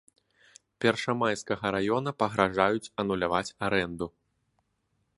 Першамайскага раёна пагражаюць ануляваць арэнду.